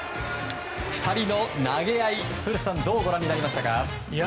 ２人の投げ合いどうご覧になりましたか。